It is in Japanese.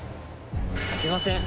すいません。